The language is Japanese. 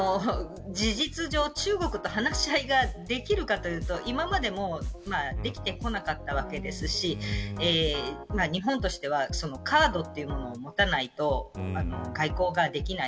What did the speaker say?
事実上、中国と話し合いができるかというと今までもできてこなかったわけですし日本としてはカードというものを持たないと外交ができない。